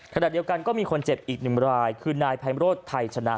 ขณะเดียวกันก็มีคนเจ็บอีกหนึ่งรายคือนายไพมโรธไทยชนะ